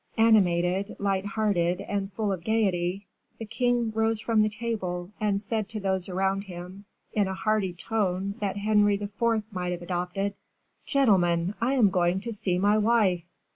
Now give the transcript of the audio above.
Animated, light hearted, and full of gayety, the king rose from the table, and said to those around him, in a tone that Henry IV. might have adopted, 'Gentlemen, I am going to see my wife.